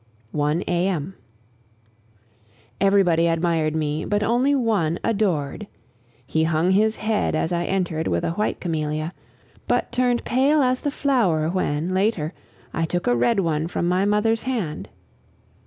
1 A. M. Everybody admired me, but only one adored. He hung his head as I entered with a white camellia, but turned pale as the flower when, later, I took a red one from my mother's hand.